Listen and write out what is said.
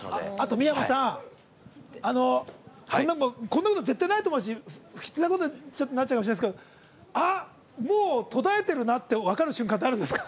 三山さん、こんなこと絶対ないと思いますし不吉なことになっちゃうかもしれないですけどあっ、もう途絶えてるなって分かる瞬間ってあるんですか？